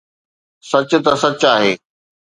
سچ ته سچ آهي